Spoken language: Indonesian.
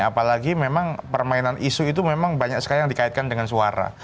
apalagi memang permainan isu itu memang banyak sekali yang dikaitkan dengan suara